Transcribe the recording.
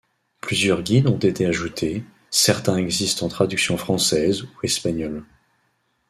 Plusieurs guides ont été ajoutés, certains existent en traduction française ou espagnole.